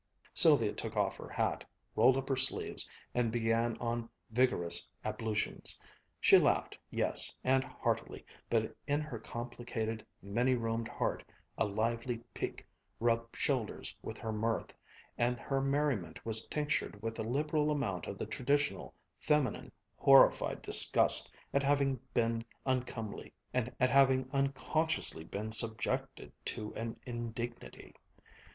Sylvia took off her hat, rolled up her sleeves, and began on vigorous ablutions. She had laughed, yes, and heartily, but in her complicated many roomed heart a lively pique rubbed shoulders with her mirth, and her merriment was tinctured with a liberal amount of the traditional feminine horrified disgust at having been uncomely, at having unconsciously been subjected to an indignity.